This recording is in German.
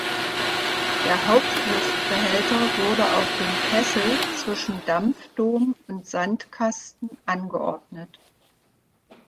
Der Hauptluftbehälter wurde auf dem Kessel zwischen Dampfdom und Sandkasten angeordnet.